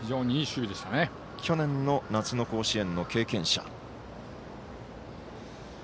去年の夏の甲子園の経験者。